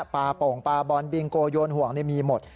ปาโป่งปลาบอลบิงโกโยนห่วงมีหมด